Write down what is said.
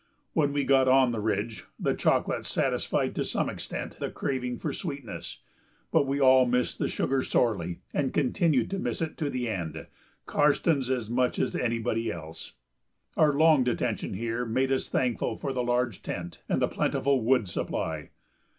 When we got on the ridge the chocolate satisfied to some extent the craving for sweetness, but we all missed the sugar sorely and continued to miss it to the end, Karstens as much as anybody else. Our long detention here made us thankful for the large tent and the plentiful wood supply.